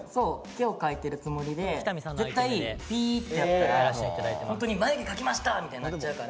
毛を描いてるつもりで絶対ピーッてやったらホントに眉毛描きましたみたいになっちゃうから。